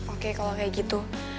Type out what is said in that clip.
oke kalau kayak gitu